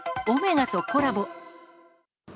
オメガとコラボ。